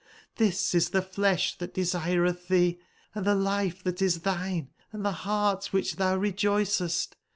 XThis is the flesh that desireth thee, and the life that is thine, and the heart which thou rejoicest.